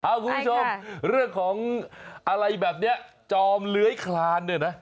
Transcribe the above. คุณผู้ชมเรื่องของอะไรแบบนี้จอมเลื้อยคลานเนี่ยนะ